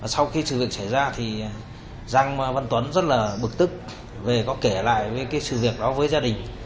sau khi sự việc xảy ra thì giang văn tuấn rất là bực tức về có kể lại sự việc đó với gia đình